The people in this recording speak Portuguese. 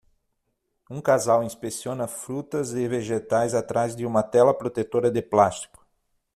Um casal inspeciona frutas e vegetais atrás de uma tela protetora de plástico.